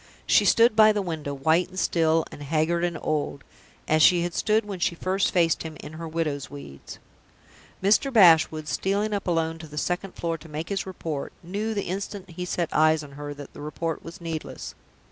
She stood by the window, white and still, and haggard and old as she had stood when she first faced him in her widow's weeds. Mr. Bashwood, stealing up alone to the second floor to make his report, knew, the instant he set eyes on her, that the report was needless.